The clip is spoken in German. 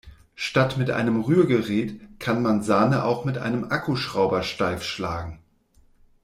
Statt mit einem Rührgerät kann man Sahne auch mit einem Akkuschrauber steif schlagen.